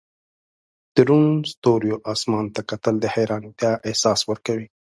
د روڼ ستوریو اسمان ته کتل د حیرانتیا احساس ورکوي.